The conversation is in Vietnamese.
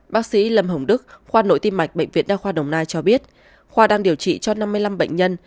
bác sĩ lâm hồng đức khoa nội tim mạch bệnh viện đa khoa đồng nai cho biết khoa đang điều trị cho năm mươi năm bệnh nhân